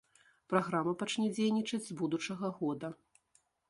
Праграма пачне дзейнічаць з будучага года.